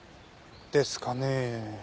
ですかね。